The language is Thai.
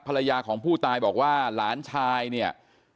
ภรรยาของผู้ตายบอกว่าหลานชายเนี่ย